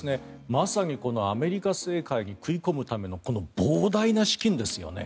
まさにこのアメリカ政界に食い込むためのこの膨大な資金ですよね。